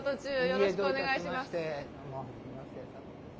よろしくお願いします。